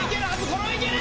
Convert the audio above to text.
これはいける！